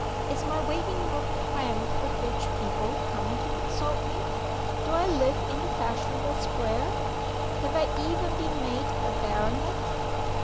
Is my waiting room crammed with rich people coming to consult me? Do I live in a fashionable Square? Have I even been made a Baronet?